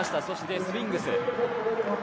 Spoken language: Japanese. そしてスウィングス。